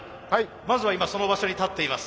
まずは今その場所に立っています。